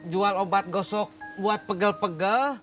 jual obat gosok buat pegel pegel